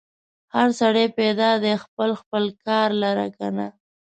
هر سړی پیدا دی خپل خپل کار لره کنه.